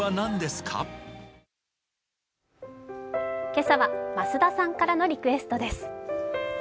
今朝は増田さんからのリクエストです。